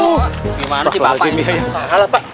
gimana sih bapak ini